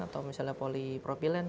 atau misalnya polypropylene